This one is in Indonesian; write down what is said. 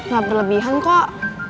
gak berlebihan kok